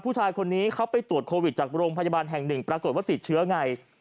ผู้ชายคนนี้เขาไปตรวจโควิดจากโรงพยาบาลแห่งหนึ่งปรากฏว่าติดเชื้อไง